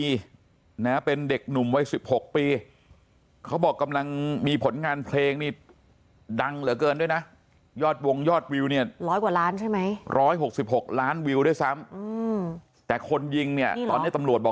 สำหรับสำหรับสำหรับสำหรับสำหรับสำหรับสำหรับสำหรับสำหรับสำหรับ